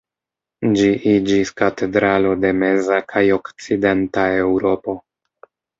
Ĝi iĝis katedralo de meza kaj okcidenta Eŭropo.